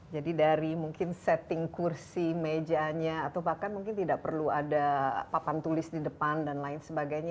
jadi dari mungkin setting kursi mejanya atau bahkan mungkin tidak perlu ada papan tulis di depan dan lain sebagainya